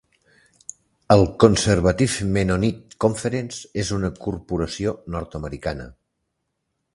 El "Conservative Mennonite Conference" és una corporació nord-americana.